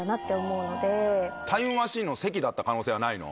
タイムマシーンの関だった可能性はないの？